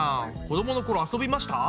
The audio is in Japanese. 子どものころ遊びました？